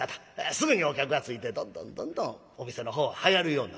すぐにお客がついてどんどんどんどんお店のほうははやるようになる。